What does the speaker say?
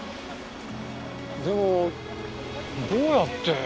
でもどうやって。